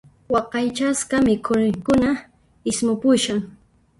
Waqaychasqa mikhuykuna ismupushan.